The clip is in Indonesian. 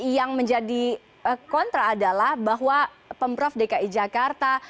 yang menjadi kontra adalah bahwa pemprov dki jakarta